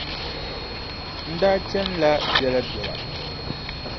N daa chanila biɛlabiɛla.